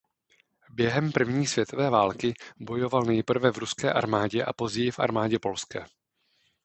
Během první světové války bojoval nejprve v ruské armádě a později v armádě polské.